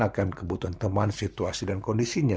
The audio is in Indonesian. akan kebutuhan teman situasi dan kondisinya